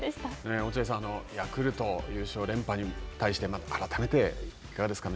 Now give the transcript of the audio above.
落合さん、ヤクルト優勝連覇に対して改めていかがですか。